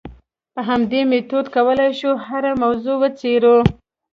په همدې میتود کولای شو هره موضوع وڅېړو.